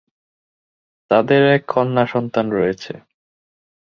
তাদের এক কন্যা সন্তান রয়েছে।